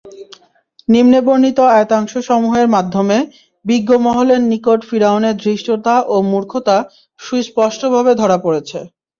নিম্নে বর্ণিত আয়াতাংশসমূহের মাধ্যমে বিজ্ঞমহলের নিকট ফিরআউনের ধৃষ্টতা ও মূর্খতা সুস্পষ্টভাবে ধরা পড়েছে।